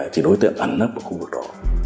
thì đối tượng ẩn nấp ở khu vực đó